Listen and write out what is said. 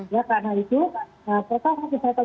ya karena itu protokol kesehatan